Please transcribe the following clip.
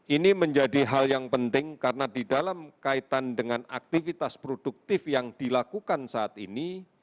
ini menjadi hal yang penting karena di dalam kaitan dengan aktivitas produktif yang dilakukan saat ini